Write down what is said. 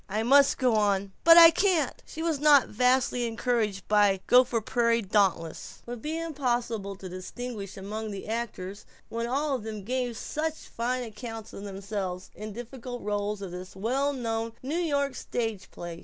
'I must go on.' But I can't!" She was not vastly encouraged by the Gopher Prairie Dauntless: ... would be impossible to distinguish among the actors when all gave such fine account of themselves in difficult roles of this well known New York stage play.